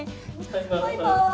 バイバーイ。